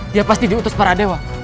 dia pasti diutus para dewa